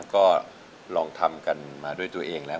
ก็ลองทำกันมาด้วยตัวเองแล้ว